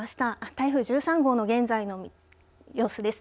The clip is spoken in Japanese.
台風１３号の現在の様子です。